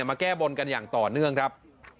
มาแก้บนกันอย่างต่อเนื่องครับ